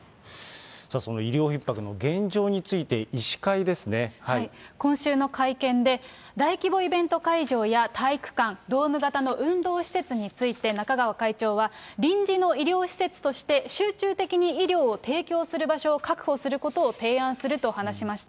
その医療ひっ迫の現状について、今週の会見で、大規模イベント会場や体育館、ドーム型の運動施設について、中川会長は、臨時の医療施設として集中的に医療を提供する場所を確保することを提案すると話しました。